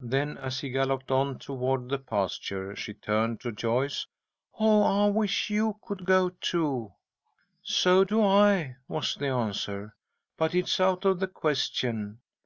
Then, as he galloped on toward the pasture, she turned to Joyce. "Oh, I wish you could go, too!" "So do I," was the answer; "but it's out of the question.